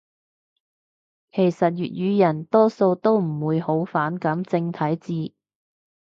其實粵語人多數都唔會好反感正體字